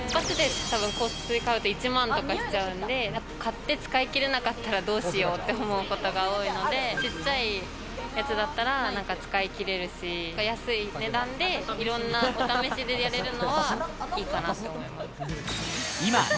１万とかしちゃうんで、買って使い切れなかったらどうしようって思うことが多いので、ちっちゃいやつだったら使い切れるし、安い値段でいろんなお試しでやれるのはいいかなって思います。